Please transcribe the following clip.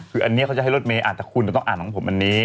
คืออันนี้เขาจะให้รถเมย์อ่านแต่คุณต้องอ่านของผมอันนี้